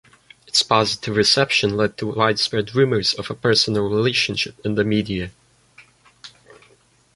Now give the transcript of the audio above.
Its positive reception led to widespread rumors of a personal relationship in the media.